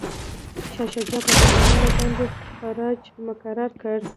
شاه شجاع پر افغانانو باندي خراج مقرر کړ.